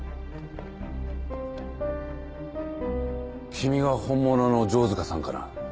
君が本物の城塚さんかな？